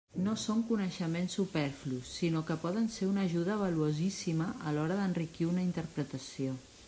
No són coneixements superflus, sinó que poden ser una ajuda valuosíssima a l'hora d'enriquir una interpretació.